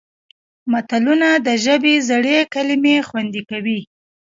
متلونه د ژبې زړې کلمې خوندي کوي